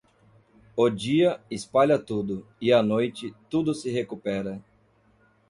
O dia, espalha tudo, e à noite, tudo se recupera.